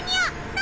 何？